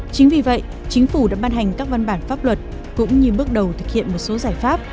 chính vì vậy chính phủ đã ban hành các văn bản pháp luật cũng như bước đầu thực hiện một số giải pháp